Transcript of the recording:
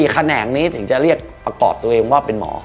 แขนงนี้ถึงจะเรียกประกอบตัวเองว่าเป็นหมอ